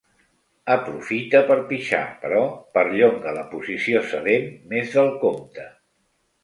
Aprofita per pixar, però perllonga la posició sedent més del compte.